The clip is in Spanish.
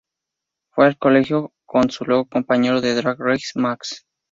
Fue al colegio con su luego compañero en Drag Race, Max.